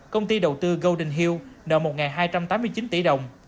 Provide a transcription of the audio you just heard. công ty đầu tư golden hill nợ một hai trăm tám mươi chín tỷ đồng